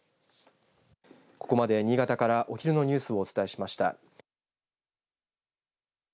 ここまで新潟からお昼のニュースをお伝えしました。